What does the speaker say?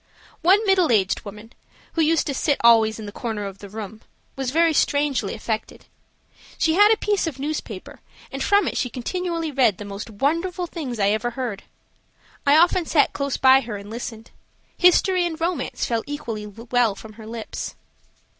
One middle aged woman, who used to sit always in the corner of the room, was very strangely affected. She had a piece of newspaper, and from it she continually read the most wonderful things I ever heard. I often sat close by her and listened. History and romance fell equally well from her lips.